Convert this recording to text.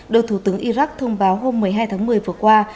được thủ tướng iraq thông báo hôm một mươi hai tháng một mươi vừa qua